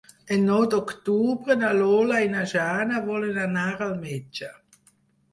El nou d'octubre na Lola i na Jana volen anar al metge.